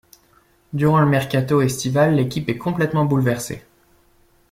Durant le mercato estival, l'équipe est complètement bouleversée.